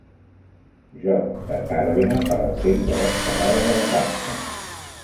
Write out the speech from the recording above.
Joc de Tàrbena per al temps de l'escaldada de la pansa.